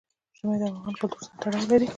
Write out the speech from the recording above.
ژمی د افغان کلتور سره تړاو لري.